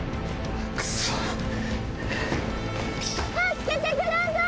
助けてください！